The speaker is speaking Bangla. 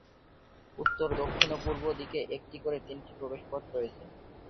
উত্তর, দক্ষিণ ও পূর্ব দিকে একটি করে তিনটি প্রবেশপথ রয়েছে।